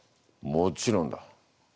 もちろんだ。